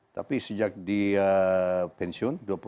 tapi sejak dia pensiun dua puluh tahun lalu